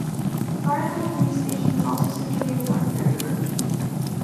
Drylaw Police Station is also situated on Ferry Road.